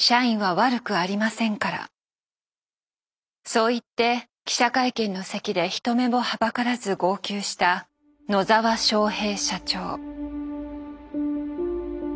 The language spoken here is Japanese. そう言って記者会見の席で人目もはばからず号泣した野澤正平社長。